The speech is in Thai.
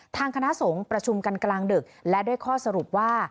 ทางคณะสงฆ์ประชุมกันกลางดึกและได้ข้อสรุปว่า